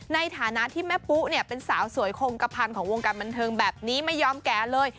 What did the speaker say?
ในฐานะที่แม่ปุ๊เนี่ยเป็นสาวสวยคงกระพันธ์ของวงการบันเทิงแบบนี้ไม่ยอมแก่เลย